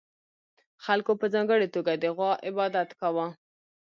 خلکو په ځانګړې توګه د غوا عبادت کاوه